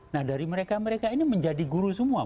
nah dari mereka mereka ini menjadi guru semua